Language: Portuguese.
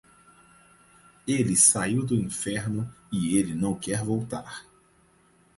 Ele saiu do inferno e ele não quer voltar.